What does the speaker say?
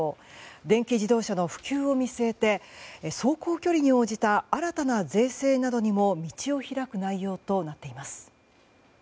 電気自動車の普及を見据えて走行距離に応じた新たな税制などにも道を開く内容となっています。